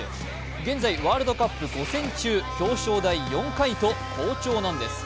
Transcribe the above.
現在、ワールドカップ５戦中表彰台４回と好調なんです。